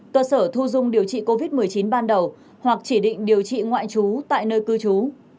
cơ sở thu dung điều trị covid một mươi chín ban đầu hoặc chỉ định điều trị ngoại trú tại nơi cư trú